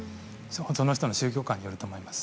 その人の宗教観によると思います。